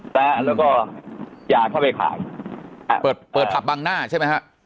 แล้วก็ยาเข้าไปขายอ่าเปิดเปิดผับบังหน้าใช่ไหมฮะ